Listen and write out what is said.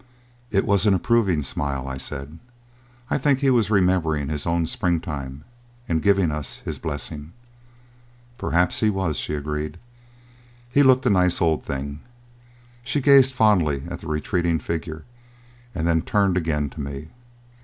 "It was an approving smile," I said. "I think he was remembering his own spring time and giving us his blessing." "Perhaps he was," she agreed. "He looked a nice old thing." She gazed fondly at the retreating figure and then turned again to me.